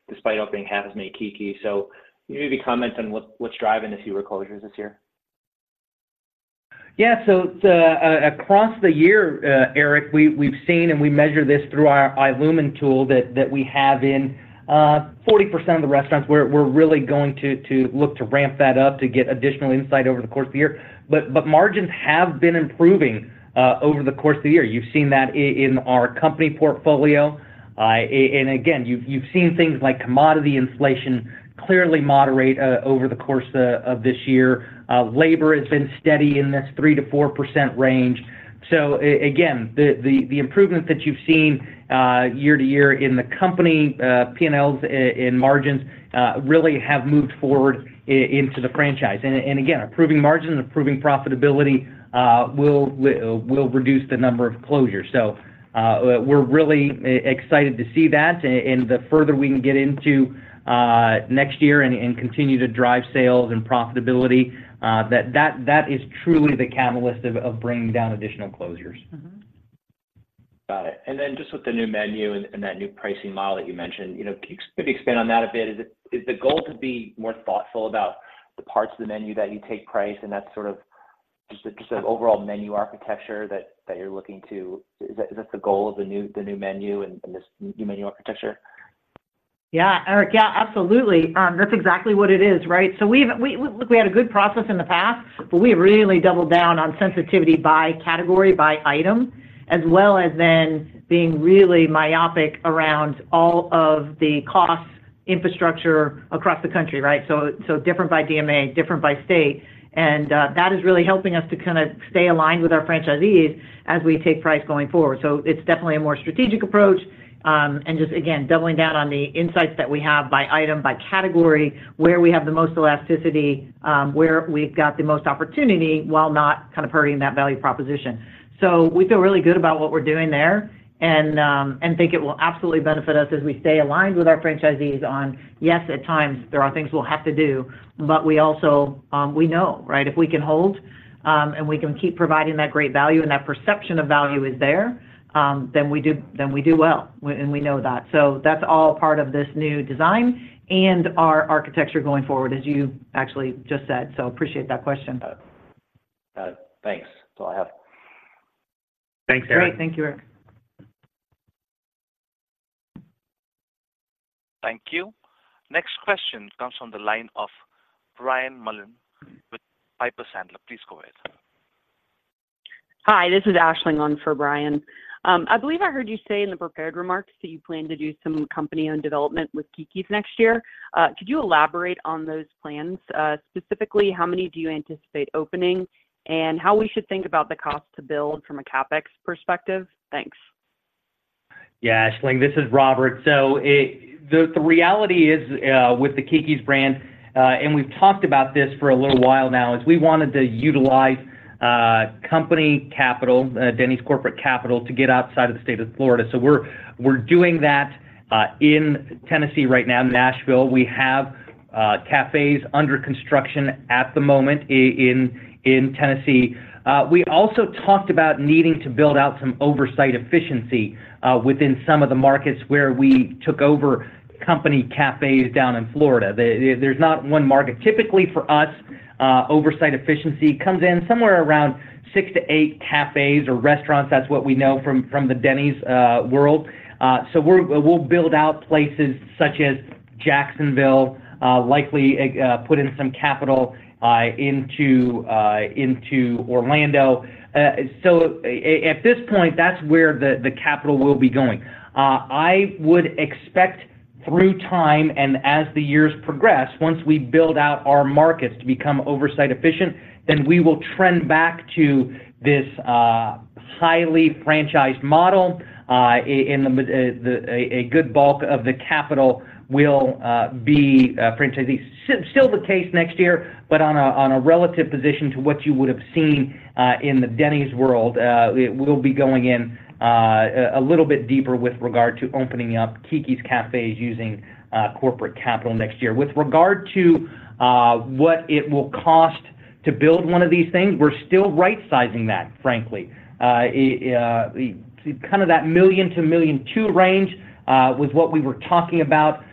despite opening half as many Keke's. So maybe comment on what's driving the fewer closures this year? Yeah. So across the year, Eric, we've seen, and we measure this through our iLumen tool, that we have in 40% of the restaurants. We're really going to look to ramp that up to get additional insight over the course of the year. But margins have been improving over the course of the year. You've seen that in our company portfolio. And again, you've seen things like commodity inflation clearly moderate over the course of this year. Labor has been steady in this 3%-4% range. So again, the improvement that you've seen year-to-year in the company P&Ls in margins really have moved forward into the franchise. And again, improving margins and improving profitability will reduce the number of closures. So, we're really excited to see that, and the further we can get into next year and continue to drive sales and profitability, that is truly the catalyst of bringing down additional closures. Mm-hmm. Got it. And then just with the new menu and, and that new pricing model that you mentioned, you know, can you maybe expand on that a bit? Is it-- is the goal to be more thoughtful about the parts of the menu that you take price, and that's sort of just the sort of overall menu architecture that, that you're looking to-- Is that, is that the goal of the new, the new menu and, and this new menu architecture? Yeah, Eric. Yeah, absolutely. That's exactly what it is, right? We've, we had a good process in the past, but we really doubled down on sensitivity by category, by item, as well as then being really myopic around all of the costs, infrastructure across the country, right? Different by DMA, different by state, and that is really helping us to kind of stay aligned with our franchisees as we take price going forward. It's definitely a more strategic approach, just again, doubling down on the insights that we have by item, by category, where we have the most elasticity, where we've got the most opportunity, while not kind of hurting that value proposition. So we feel really good about what we're doing there and and think it will absolutely benefit us as we stay aligned with our franchisees on, yes, at times there are things we'll have to do, but we also, we know, right? If we can hold, and we can keep providing that great value, and that perception of value is there, then we do, then we do well, and we know that. So that's all part of this new design and our architecture going forward, as you actually just said. So appreciate that question. Got it. Thanks. That's all I have. Thanks, Eric. Great. Thank you, Eric. Thank you. Next question comes from the line of Brian Mullen with Piper Sandler. Please go ahead. Hi, this is Ashley on for Brian. I believe I heard you say in the prepared remarks that you plan to do some company-owned development with Keke's next year. Could you elaborate on those plans? Specifically, how many do you anticipate opening, and how we should think about the cost to build from a CapEx perspective? Thanks. Yeah, Ashley, this is Robert. So the reality is, with the Keke's brand, and we've talked about this for a little while now, is we wanted to utilize company capital, Denny's corporate capital, to get outside of the state of Florida. So we're doing that in Tennessee right now, in Nashville. We have cafes under construction at the moment in Tennessee. We also talked about needing to build out some oversight efficiency within some of the markets where we took over company cafes down in Florida. There's not one market. Typically for us, oversight efficiency comes in somewhere around 6-8 cafes or restaurants. That's what we know from the Denny's world. So we'll build out places such as Jacksonville, likely put in some capital into Orlando. So at this point, that's where the capital will be going. I would expect through time and as the years progress, once we build out our markets to become oversight efficient, then we will trend back to this highly franchised model, and a good bulk of the capital will be franchisees. Still the case next year, but on a relative position to what you would have seen in the Denny's world, we will be going in a little bit deeper with regard to opening up Keke's cafes using corporate capital next year. With regard to what it will cost to build one of these things, we're still right-sizing that, frankly. Kind of that $1 million-$1.2 million range was what we were talking about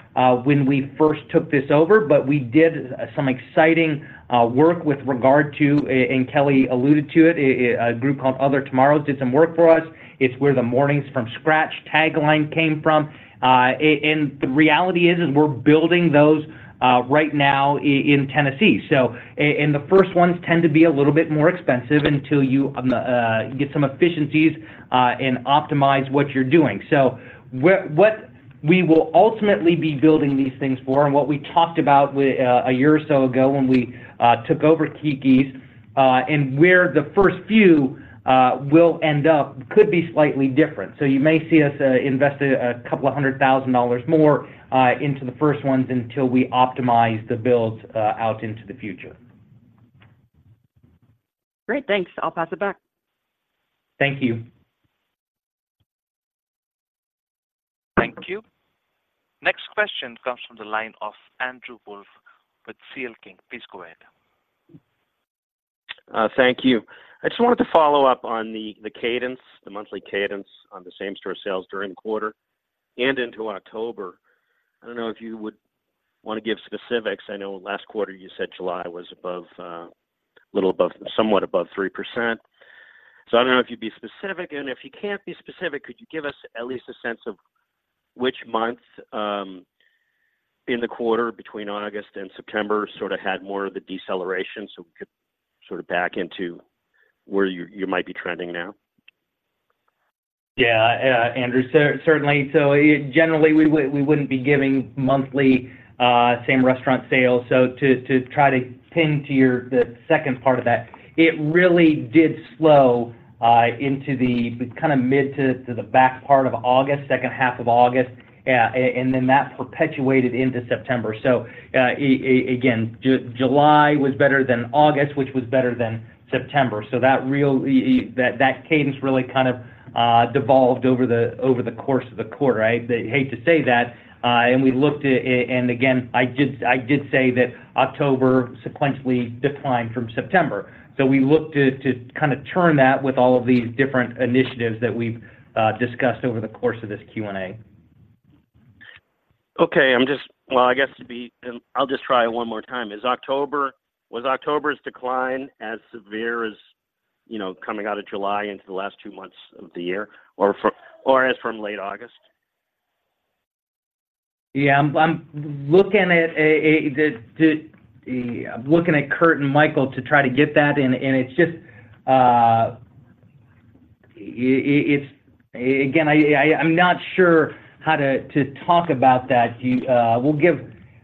when we first took this over, but we did some exciting work with regard to, and Kelli alluded to it, a group called Other Tomorrows did some work for us. It's where the Mornings from Scratch tagline came from. And the reality is, we're building those right now in Tennessee. So, the first ones tend to be a little bit more expensive until you get some efficiencies and optimize what you're doing. So what we will ultimately be building these things for and what we talked about with a year or so ago when we took over Keke's and where the first few will end up could be slightly different. So you may see us invest $200,000 more into the first ones until we optimize the builds out into the future. Great, thanks. I'll pass it back. Thank you. Thank you. Next question comes from the line of Andrew Wolf with CL King. Please go ahead. Thank you. I just wanted to follow up on the cadence, the monthly cadence on the same-store sales during quarter and into October. I don't know if you would want to give specifics. I know last quarter you said July was above, little above, somewhat above 3%. So I don't know if you'd be specific, and if you can't be specific, could you give us at least a sense of which month in the quarter between August and September, sort of had more of the deceleration so we could sort of back into where you might be trending now? Yeah, Andrew, certainly. So generally, we wouldn't be giving monthly same-restaurant sales. So to try to pin to your, the second part of that, it really did slow into the kind of mid to the back part of August, second half of August. And then that perpetuated into September. So again, July was better than August, which was better than September. So that real, that cadence really kind of devolved over the course of the quarter, right? I hate to say that, and we looked at it, and again, I did say that October sequentially declined from September. So we looked to kind of turn that with all of these different initiatives that we've discussed over the course of this Q&A. Okay. I'm just... Well, I guess to be, I'll just try it one more time. Was October's decline as severe as, you know, coming out of July into the last two months of the year or from, or as from late August? Yeah, I'm looking at Curt and Michael to try to get that, and it's just, it's again, I'm not sure how to talk about that.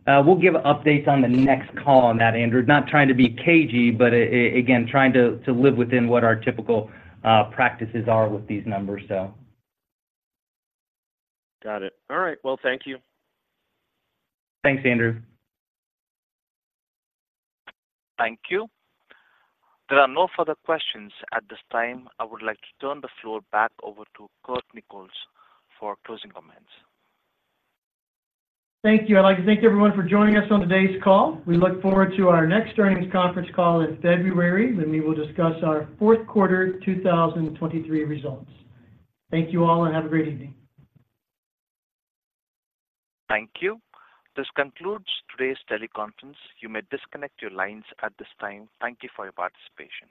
We'll give updates on the next call on that, Andrew. Not trying to be cagey, but again, trying to live within what our typical practices are with these numbers, so. Got it. All right, well, thank you. Thanks, Andrew. Thank you. There are no further questions at this time. I would like to turn the floor back over to Curt Nichols for closing comments. Thank you. I'd like to thank everyone for joining us on today's call. We look forward to our next earnings conference call in February, when we will discuss our fourth quarter 2023 results. Thank you all, and have a great evening. Thank you. This concludes today's teleconference. You may disconnect your lines at this time. Thank you for your participation.